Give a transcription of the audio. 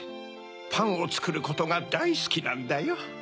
パンをつくることがだいすきなんだよ。